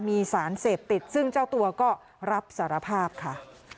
มีสารเสพติดซึ่งเจ้าตัวก็รับสารภาพค่ะ